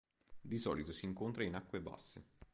Di solito si incontra in acque basse.